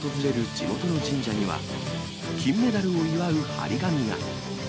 地元の神社には、金メダルを祝う貼り紙が。